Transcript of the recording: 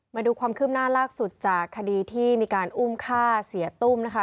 มาดูความคืบหน้าล่าสุดจากคดีที่มีการอุ้มฆ่าเสียตุ้มนะคะ